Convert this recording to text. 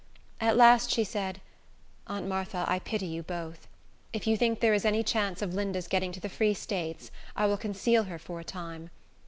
At last she said, "Aunt Martha, I pity you both. If you think there is any chance of Linda's getting to the Free States, I will conceal her for a time.